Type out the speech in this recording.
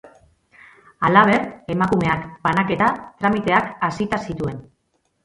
Halaber, emakumeak banaketa tramiteak hasita zituen.